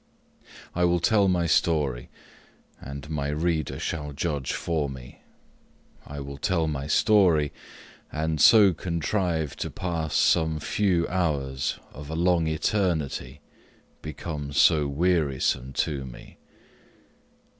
I will tell my story, and my reader shall judge for me. I will tell my story, and so contrive to pass some few hours of a long eternity, become so wearisome to me.